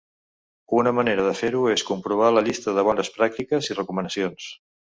Una manera de fer-ho és comprovar la llista de bones pràctiques i recomanacions.